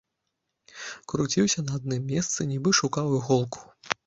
Круціўся на адным месцы, нібы шукаў іголку.